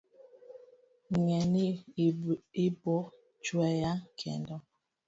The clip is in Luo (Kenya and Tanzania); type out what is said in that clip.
ng'e ni ibochweya kendo